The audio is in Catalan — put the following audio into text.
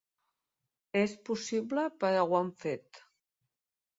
És possible, però ho han fet.